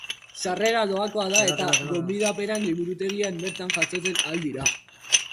Sarrera doakoa da eta gonbidapenak liburutegian bertan jasotzen ahal dira.